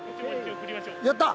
やった！